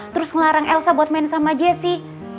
terus ngelarang elsa buat main sama jessi